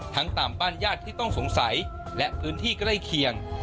ตามบ้านญาติที่ต้องสงสัยและพื้นที่ใกล้เคียง